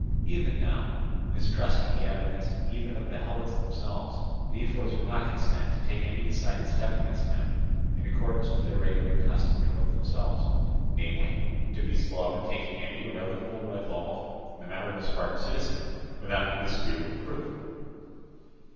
Even now, mistrusting the evidence even of the Helots themselves, the ephors would not consent to take any decided step against him; in accordance with their regular custom towards themselves, namely, to be slow in taking any irrevocable resolve in the matter of a Spartan citizen without indisputable proof.